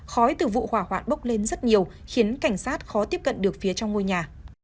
khói từ vụ hỏa hoạn bốc lên rất nhiều khiến cảnh sát khó tiếp cận được phía trong ngôi nhà